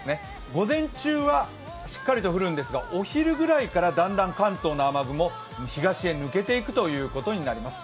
午前中はしっかりと降るんですがお昼ぐらいからだんだん関東の雨雲、東へ抜けていくことになります。